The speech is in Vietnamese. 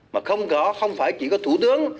mà không có không phải chỉ có thủ tướng